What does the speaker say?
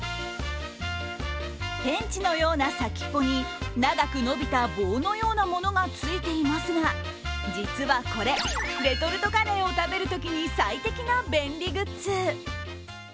ペンチのような先っぽに長く伸びた棒のようなものがついていますが実はこれ、レトルトカレーを食べるときに最適な便利グッズ。